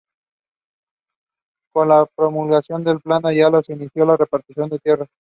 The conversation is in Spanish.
Con la promulgación del Plan de Ayala se inició la repartición de tierras.